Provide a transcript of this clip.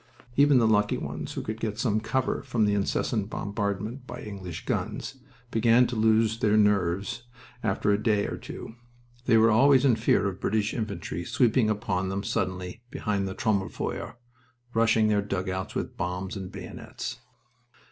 Even the lucky ones who could get some cover from the incessant bombardment by English guns began to lose their nerves after a day or two. They were always in fear of British infantry sweeping upon them suddenly behind the Trommelfeuer, rushing their dugouts with bombs and bayonets.